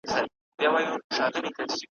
په کوم کلي کي پېریانانو ,